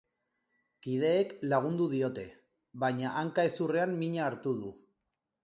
Kideek lagundu diote, baina hanka-hezurrean mina hartu du.